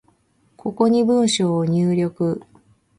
ここに文章を入力